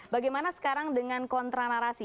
bagaimana sekarang dengan kontra narasi